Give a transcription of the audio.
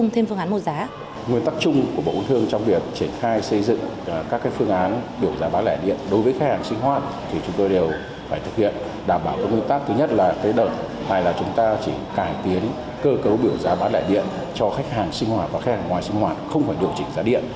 thứ nhất là phải đợi hay là chúng ta chỉ cải tiến cơ cấu biểu giá bán lẻ điện cho khách hàng sinh hoạt và khách hàng ngoài sinh hoạt không phải điều chỉnh giá điện